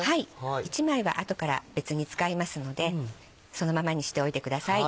１枚は後から別に使いますのでそのままにしておいてください。